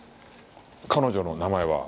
彼女の名前は？